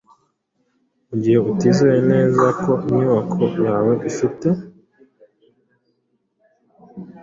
mu gihe utizeye neza ko inyubako yawe ifite